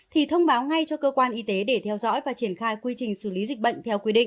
thì thông báo ngay cho cơ quan y tế để theo dõi và triển khai quy trình xử lý dịch bệnh theo quy định